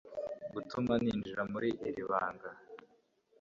gutuma ninjira muri iri banga